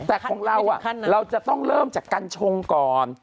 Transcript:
แต่ของเราเราจะต้องเริ่มจากกัญชงก่อน